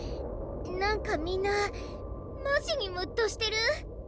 なんかみんなマジにムッとしてる？